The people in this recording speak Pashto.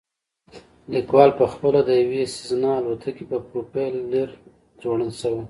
لیکوال پخپله د یوې سیزنا الوتکې په پروپیلر ځوړند شوی